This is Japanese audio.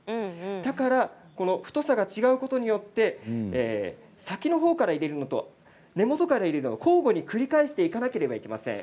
だからこの太さが違うことによって先の方から入れるのと根元から入れるのと交互に繰り返していかなければいけません。